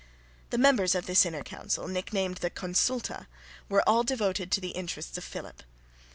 The members of this inner council, nicknamed the Consulta, were all devoted to the interests of Philip.